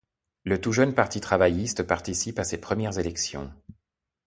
Le tout jeune Parti travailliste participe à ses premières élections.